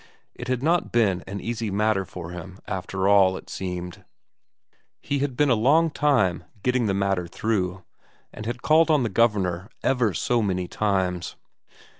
It had not been an easy matter for him, after all, it seemed; he had been a long time getting the matter through, and had called on the Governor ever so many times.